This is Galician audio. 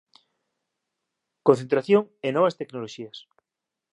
Concentración e novas tecnoloxías